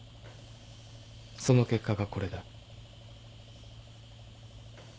その結果がこれだ。